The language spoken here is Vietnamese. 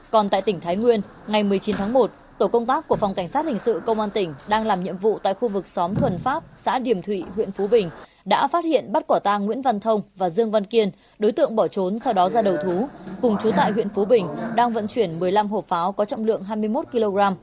còn tại tỉnh thái nguyên ngày một mươi chín tháng một tổ công tác của phòng cảnh sát hình sự công an tỉnh đang làm nhiệm vụ tại khu vực xóm thuần pháp xã điểm thụy huyện phú bình đã phát hiện bắt quả tang nguyễn văn thông và dương văn kiên đối tượng bỏ trốn sau đó ra đầu thú cùng chú tại huyện phú bình đang vận chuyển một mươi năm hộp pháo có trọng lượng hai mươi một kg